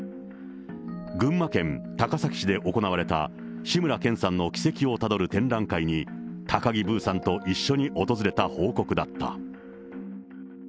群馬県高崎市で行われた、志村けんさんの軌跡をたどる展覧会に、高木ブーさんと一緒に訪れた報告だった。